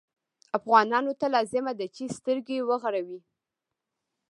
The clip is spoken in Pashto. افغانانو ته لازمه ده چې سترګې وغړوي.